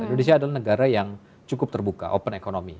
indonesia adalah negara yang cukup terbuka open economy